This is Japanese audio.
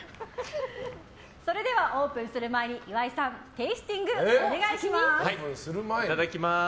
それではオープンする前に岩井さん、テイスティングいただきます。